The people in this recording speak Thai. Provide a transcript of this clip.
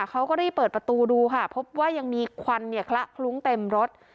เขาก็รีบเปิดประตูดูค่ะพบว่ายังมีควันเนี่ยคละคลุ้งเต็มรถ